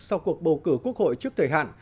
sau cuộc bầu cử quốc hội trước thời hạn